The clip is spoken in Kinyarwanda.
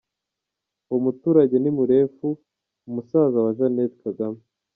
Uwo muturage ni Murefu musaza wa Jeanette Kagame.